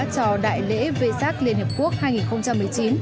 cho đại lễ vê sát liên hiệp quốc hai nghìn một mươi chín